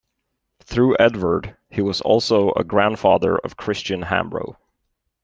Through Edvard, he was also a grandfather of Christian Hambro.